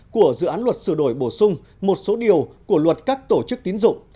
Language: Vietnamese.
của dự án luật sửa đổi bổ sung một số điều của luật các tổ chức tín dụng